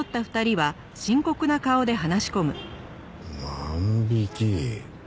万引き？